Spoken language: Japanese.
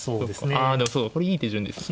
あでもこれいい手順ですね。